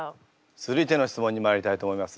続いての質問にまいりたいと思います。